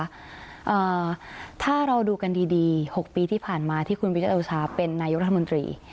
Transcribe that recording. อ่าถ้าเราดูกันดีดีหกปีที่ผ่านมาที่คุณวิจโอชาเป็นนายกรัฐมนตรี